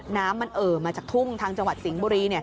น้ำมันเอ่อมาจากทุ่งทางจังหวัดสิงห์บุรี